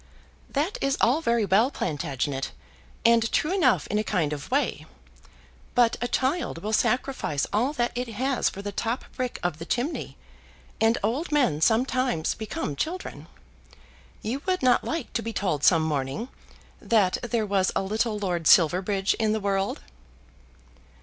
"That is all very well, Plantagenet, and true enough in a kind of way. But a child will sacrifice all that it has for the top brick of the chimney, and old men sometimes become children. You would not like to be told some morning that there was a little Lord Silverbridge in the world."